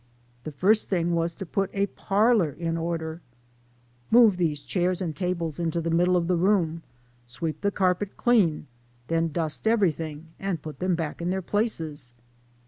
The first thing was to put a parlor in order. " Move these chairs and tables into the middle of the room, sweep the carpet clean, then dust everything, and put them back in their places